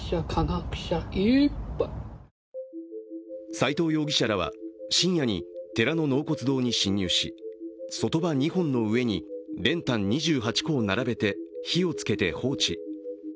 斉藤容疑者らは、深夜に寺の納骨堂に侵入し、そとば２本の上に練炭２８個を並べて火をつけて放置。